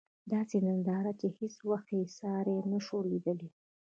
داسې ننداره چې په هیڅ وخت کې یې ساری نشو لېدلی.